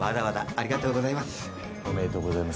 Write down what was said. ありがとうございます。